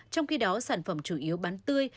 trong khi đó sản phẩm chủ yếu bán tươi